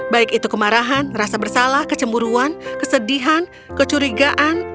baik itu kemarahan rasa bersalah kecemburuan kesedihan kecurigaan